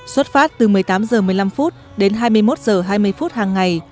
xuất phát từ một mươi tám h một mươi năm đến hai mươi một h hai mươi phút hàng ngày